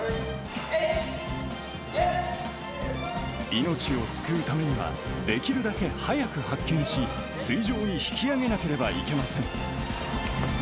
命を救うためには、できるだけ早く発見し、水上に引き上げなければいけません。